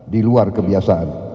di luar kebiasaan